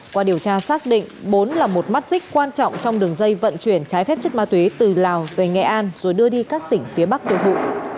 qua điều tra xác định bốn là một mắt xích quan trọng trong đường dây vận chuyển trái phép chất ma túy từ lào về nghệ an rồi đưa đi các tỉnh phía bắc tiêu thụ